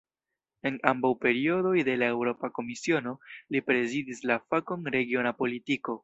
En ambaŭ periodoj de la Eŭropa Komisiono, li prezidis la fakon "regiona politiko".